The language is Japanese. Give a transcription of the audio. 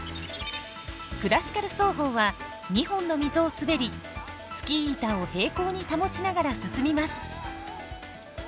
クラシカル走法は２本の溝を滑りスキー板を平行に保ちながら進みます。